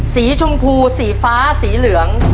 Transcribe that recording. สีชมพูสีฟ้าสีเหลือง